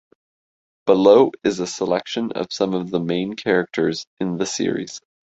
Below is a selection of some of the main characters in the series.